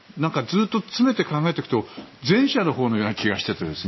ずっと詰めて考えていくと前者のほうのような気がして。